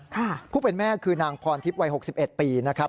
ผู้เป็นแม่คือนางพรทิพย์วัย๖๑ปีนะครับ